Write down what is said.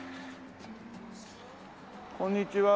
こんにちは。